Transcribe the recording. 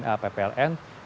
tujuan wisata dapat dikoreksi